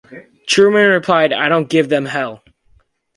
Truman replied, I don't give them Hell.